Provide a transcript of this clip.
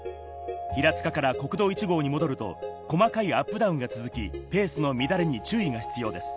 平塚から国道１号に戻ると、細かいアップダウンが続き、レースの乱れに注意が必要です。